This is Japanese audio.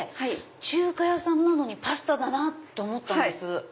中華屋さんなのにパスタだなと思ったんです。